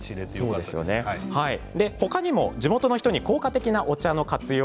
他にも地元の人に効果的なお茶の活用